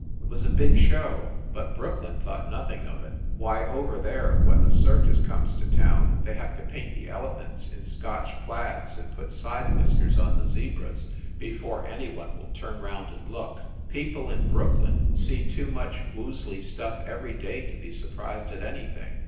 It was a big show, but Brooklyn thought nothing of it. Why, over there, when the circus comes to town, they have to paint the elephants in Scotch plaids and put side whiskers on the zebras before any one will turn round and look. People in Brooklyn see too much woozly stuff every day to be surprised at anything.